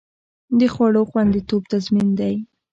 د خوړو خوندیتوب تضمین دی؟